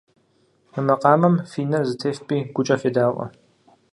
Мы макъамэм фи нэр зэтефпӏи гукӏэ федаӏуэ.